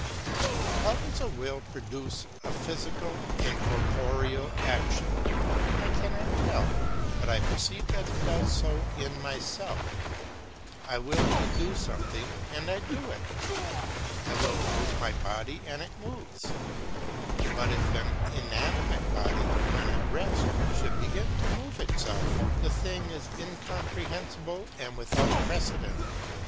How does a will produce a physical and corporeal action? I cannot tell, but I perceive that it does so in myself; I will to do something and I do it; I will to move my body and it moves, but if an inanimate body, when at rest, should begin to move itself, the thing is incomprehensible and without precedent.